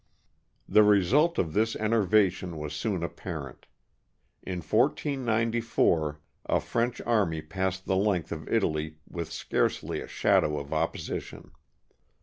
The result of this enervation was soon apparent. In 1494, a French army passed the length of Italy with scarcely a shadow of opposition.